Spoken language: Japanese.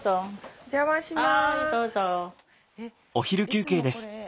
お邪魔します。